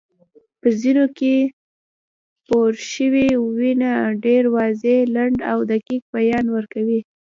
په ځینو کې پورشوي ویونه ډېر واضح، لنډ او دقیق بیان ورکوي